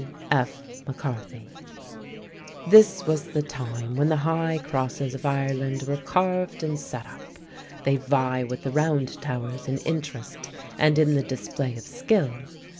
D.F. MacCarthy. This was the time when the High Crosses of Ireland were carved and set up. They vie with the Round Towers in interest and in the display of skill.